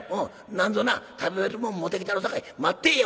なんぞな食べれるもん持ってきたるさかい待ってぇよ」。